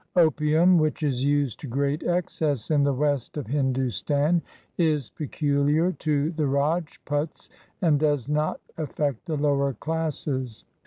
Opium, which is used to great excess in the west of Hindostan, is peculiar to the Rajputs and does not affect the lower classes.